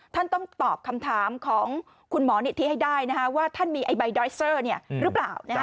ท่านต้องตอบคำถามของคุณหมอนิธิให้ได้ว่าท่านมีไอใบดอยเซอร์หรือเปล่า